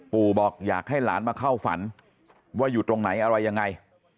บอกอยากให้หลานมาเข้าฝันว่าอยู่ตรงไหนอะไรยังไง